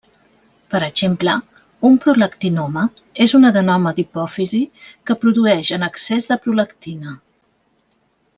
Per exemple, un prolactinoma és un adenoma d'hipòfisi que produeix en excés de prolactina.